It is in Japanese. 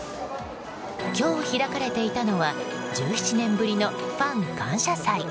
今日開かれていたのは１７年ぶりのファン感謝祭。